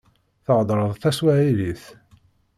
Theddreḍ taswaḥilit?